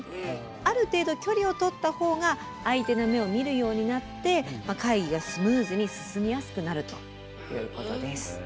ある程度距離をとったほうが相手の目を見るようになって会議がスムーズに進みやすくなるということです。